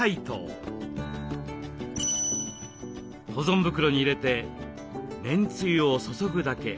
保存袋に入れてめんつゆを注ぐだけ。